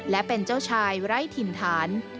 และเป็นเจ้าชายไร้ถิ่นฐาน